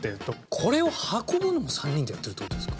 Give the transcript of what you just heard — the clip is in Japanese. これを運ぶのも３人でやってるって事ですか？